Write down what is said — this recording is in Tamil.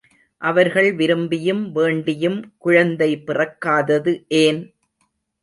அவர்கள் விரும்பியும் வேண்டியும் குழந்தை பிறக்காதது ஏன்?